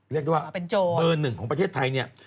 เรียกได้ว่าเบอร์หนึ่งของประเทศไทยเนี่ย